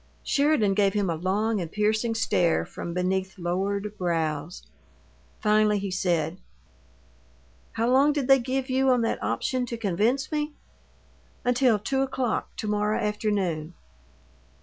Sheridan gave him a long and piercing stare from beneath lowered brows. Finally he said, "How long did they give you on that option to convince me?" "Until two o'clock to morrow afternoon."